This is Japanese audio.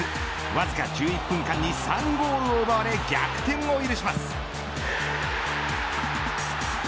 わずか１１分間に３ゴールを奪われ、逆転を許します。